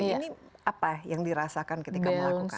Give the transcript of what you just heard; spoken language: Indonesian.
ini apa yang dirasakan ketika melakukan